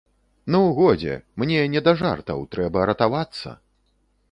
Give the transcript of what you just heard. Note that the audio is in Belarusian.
Ну, годзе, мне не да жартаў, трэба ратавацца.